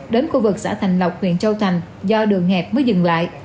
đến khu vực xã thành lộc huyện châu thành do đường hẹp mới dừng lại